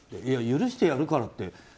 いや許してやるからって